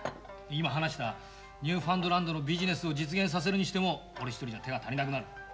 今話したニューファンドランドのビジネスを実現させるにしても俺一人じゃ手が足りなくなる。